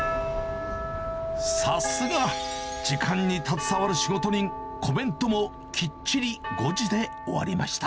さすが、時間に携わる仕事人、コメントもきっちり５時で終わりました。